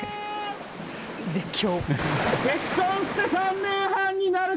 絶叫。